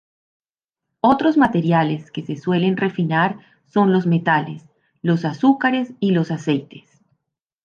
Otros materiales que se suelen refinar son los metales, los azúcares y los aceites.